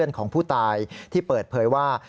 ของผู้ตายที่เปิดเผยว่า